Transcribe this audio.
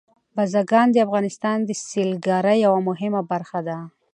بزګان د افغانستان د سیلګرۍ یوه مهمه برخه ده.